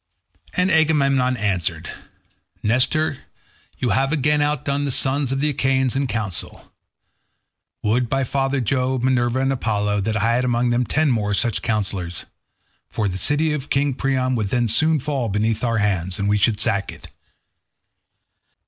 And Agamemnon answered, "Nestor, you have again outdone the sons of the Achaeans in counsel. Would, by Father Jove, Minerva, and Apollo, that I had among them ten more such councillors, for the city of King Priam would then soon fall beneath our hands, and we should sack it.